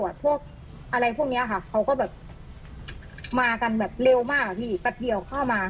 จนเราหลุดออกมาค่ะ